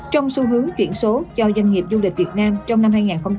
trong xu hướng chuyển số cho doanh nghiệp du lịch việt nam trong năm hai nghìn hai mươi bốn